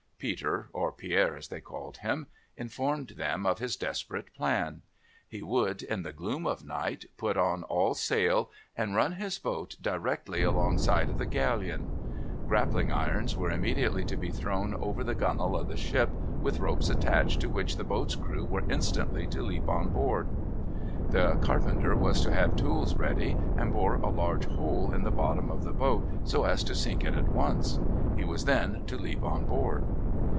Peter, or Pierre as they called him, informed them of his desperate plan. He would, in the gloom of night, put on all sail, and run his boat directly alongside of the galleon. Grappling irons were immediately to be thrown over the gunwale of the ship, with ropes attached, by which the boat's crew were instantly to leap on board. The carpenter was to have tools ready and bore a large hole in the bottom of the boat, so as to sink it at once. He was then to leap on board.